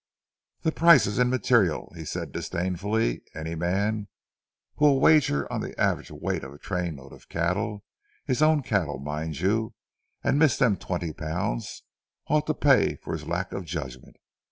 "'The price is immaterial,' said he disdainfully. 'Any man who will wager on the average weight of a train load of cattle, his own cattle, mind you, and miss them twenty pounds, ought to pay for his lack of judgment.